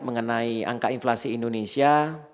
mengenai angka inflasi indonesia